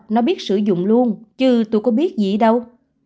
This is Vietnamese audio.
nó biết sử dụng luôn chứ tôi có biết gì đâu